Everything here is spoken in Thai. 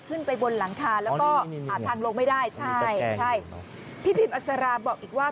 ขึ้นไปบนหลังคาแล้วก็หาทางลงไม่ได้ใช่ใช่พี่พิมอักษราบอกอีกว่า